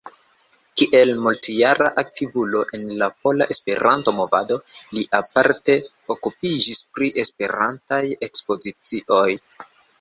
Kiel multjara aktivulo en la pola Esperanto-movado li aparte okupiĝis pri Esperantaj ekspozicioj.